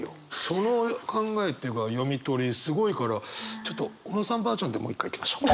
その考えっていうか読み取りすごいからちょっと小野さんバージョンでもう一回いきましょう。